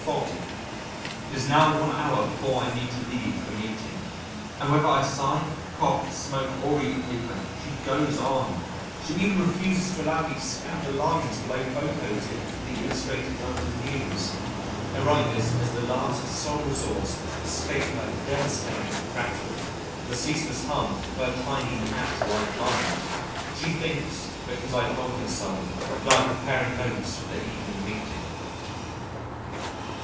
It is now one hour before I need leave for the meeting, and whether I sigh, cough, smoke, or read the paper, she goes on. She even refuses to allow me to scan the lines below photos in the Illustrated London News. I write this as the last sole resource to escape her devastating prattle and the ceaseless hum of her tiny gnat like mind. She thinks (because I told her so) that I am preparing notes for the evening meeting.